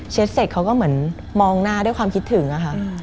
เสร็จเขาก็เหมือนมองหน้าด้วยความคิดถึงอะค่ะ